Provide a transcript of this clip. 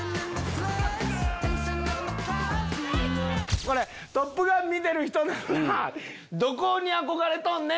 これ『トップガン』見てる人ならどこに憧れとんねん！